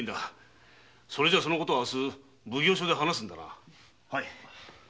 じゃそのことを明日奉行所で話すんだな。